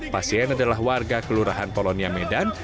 pasien adalah warga kelurahan polonia medan